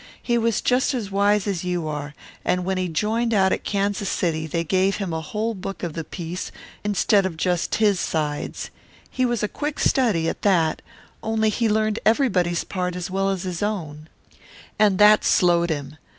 He was just as wise as you are, and when he joined out at Kansas City they gave him a whole book of the piece instead of just his sides. He was a quick study, at that, only he learned everybody's part as well as his own, and that slowed him.